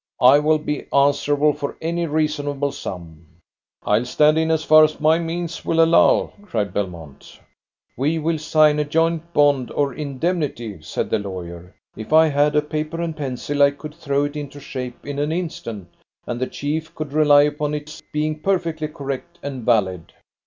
I will be answerable for any reasonable sum." "I'll stand in as far as my means will allow," cried Belmont. "We will sign a joint bond or indemnity," said the lawyer. "If I had a paper and pencil I could throw it into shape in an instant, and the chief could rely upon its being perfectly correct and valid."